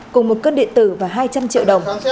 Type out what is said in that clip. cùng một cân điện tử và hai trăm linh triệu đồng